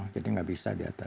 jadi tidak bisa di atas